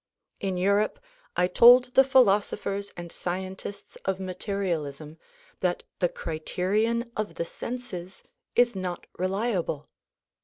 In Europe I told the philosophers and scientists of materialism that the criterion of the senses is not reliable.